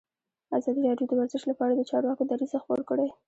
ازادي راډیو د ورزش لپاره د چارواکو دریځ خپور کړی.